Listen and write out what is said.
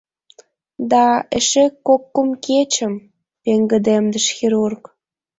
— Да, эше кок-кум кечым! — пеҥгыдемдыш хирург.